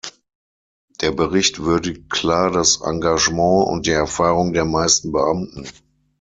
Der Bericht würdigt klar das Engagement und die Erfahrung der meisten Beamten.